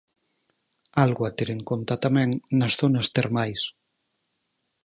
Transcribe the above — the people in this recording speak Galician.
Algo a ter en conta tamén nas zonas termais.